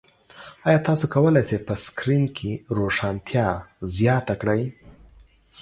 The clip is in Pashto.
ایا تاسو کولی شئ په سکرین کې روښانتیا زیاته کړئ؟